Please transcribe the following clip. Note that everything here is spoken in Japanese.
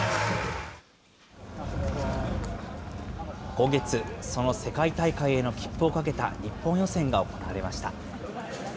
今月、その世界大会への切符をかけた日本予選が行われました。